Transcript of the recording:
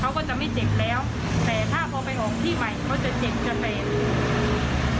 เขาก็จะไม่เจ็บแล้วแต่ถ้าพอไปออกที่ใหม่เขาจะเจ็บจะแตกเลย